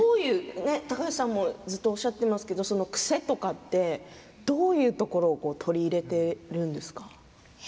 高橋さんもおっしゃってますけれども癖とかどういうところを取り入れてるんですか。